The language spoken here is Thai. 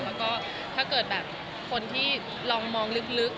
แล้วก็ถ้าเกิดแบบคนที่ลองมองลึก